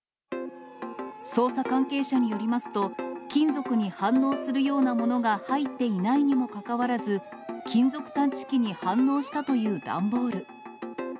捜査関係者によりますと、金属に反応するようなものが入っていないにもかかわらず、金属探知機に反応したという段ボール。